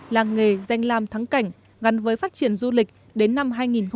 làng nghề danh làm thắng cảnh ngăn với phát triển du lịch đến năm hai nghìn hai mươi